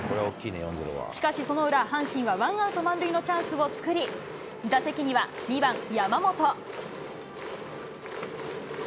しかし、その裏、阪神はワンアウト満塁のチャンスを作り、打席には２番山本。